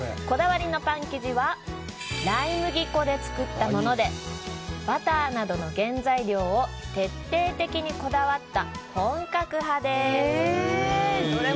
こだわりのパン生地はライ麦粉で作ったものでバターなどの原材料を徹底的にこだわった本格派です。